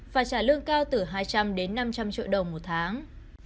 và trả lương cao từ hai trăm linh đến năm trăm linh triệu đồng một tháng